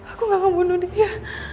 aku gak mau bunuh dia